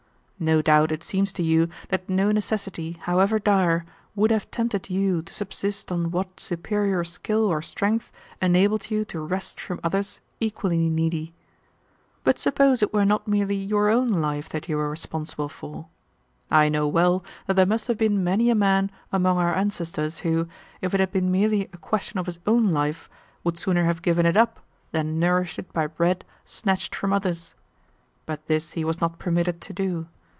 No doubt it seems to you that no necessity, however dire, would have tempted you to subsist on what superior skill or strength enabled you to wrest from others equally needy. But suppose it were not merely your own life that you were responsible for. I know well that there must have been many a man among our ancestors who, if it had been merely a question of his own life, would sooner have given it up than nourished it by bread snatched from others. But this he was not permitted to do.